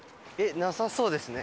なさそうですね。